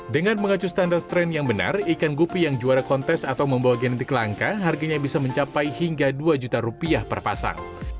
dengan mengacu standar tren yang benar ikan gupi yang juara kontes atau membawa genetik langka harganya bisa mencapai hingga dua juta rupiah per pasang